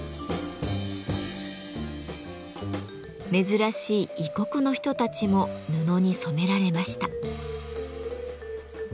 珍しい異国の人たちも布に染められました。